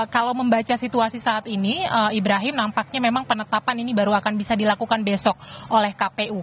kalau membaca situasi saat ini ibrahim nampaknya memang penetapan ini baru akan bisa dilakukan besok oleh kpu